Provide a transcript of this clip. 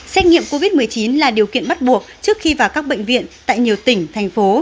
xét nghiệm covid một mươi chín là điều kiện bắt buộc trước khi vào các bệnh viện tại nhiều tỉnh thành phố